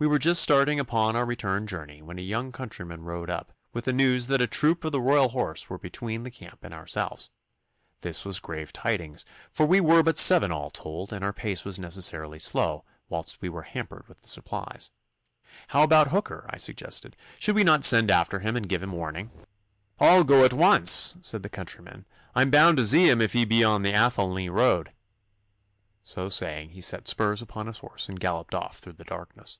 We were just starting upon our return journey when a young countryman rode up, with the news that a troop of the Royal Horse were between the camp and ourselves. This was grave tidings, for we were but seven all told, and our pace was necessarily slow whilst we were hampered with the supplies. 'How about Hooker?' I suggested. 'Should we not send after him and give him warning?' 'I'll goo at once,' said the countryman. 'I'm bound to zee him if he be on the Athelney road.' So saying he set spurs to his horse and galloped off through the darkness.